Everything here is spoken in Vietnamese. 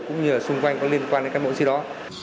cũng như xung quanh có liên quan đến các bộ sĩ đó